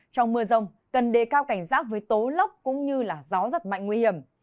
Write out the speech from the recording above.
trong mưa rông cần đề cao cảnh giác với tố lốc cũng như gió rất mạnh nguy hiểm